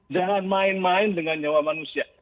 jangan main main dengan nyawa manusia